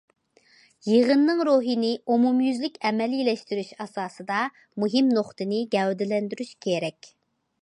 يىغىنىنىڭ روھىنى ئومۇميۈزلۈك ئەمەلىيلەشتۈرۈش ئاساسىدا مۇھىم نۇقتىنى گەۋدىلەندۈرۈش كېرەك.